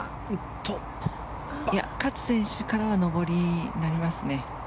勝選手からは上りになりますね。